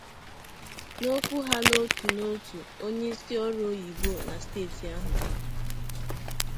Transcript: N'okwu ha n'otu n'otu onyeisi ọrụ oyibo na steeti ahụ